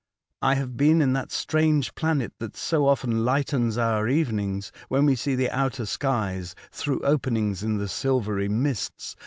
I have been in that strange planet that so often lightens our evenings, when we see the outer skies through openings in the silvery mists.